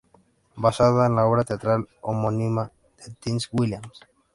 Basada en la obra teatral homónima de Tennessee Williams.